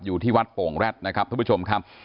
อยู่ที่วัดโป่งแร็ดนะครับท่านผู้ชมครับ